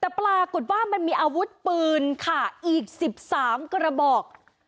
แต่ปรากฏว่ามันมีอาวุธปืนค่ะอีก๑๓กระบอก